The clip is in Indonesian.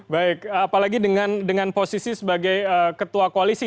baik apalagi dengan posisi sebagai ketua koalisi